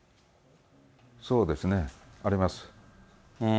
そうですね、あります。